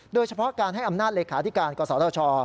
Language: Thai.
โดยเฉพาะการให้อำนาจเลขาธิการกศธช